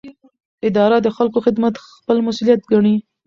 اداره د خلکو خدمت خپل مسوولیت ګڼي.